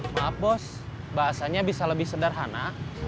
maha bos bahasanya bisa lebih sederhana